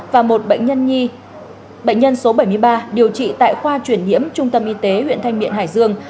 và một bệnh nhân số bảy mươi ba điều trị tại khoa truyền nhiễm trung tâm y tế huyện thanh miện hải dương